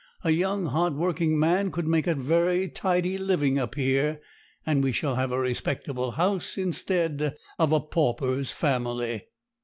A young, hard working man could make a very tidy living up here; and we shall have a respectable house, instead of a pauper's family.'